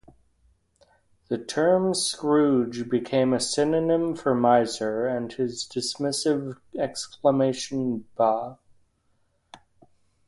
The term Scrooge became a synonym for miser, and his dismissive exclamation 'Bah!